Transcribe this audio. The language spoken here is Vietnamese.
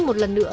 một lần nữa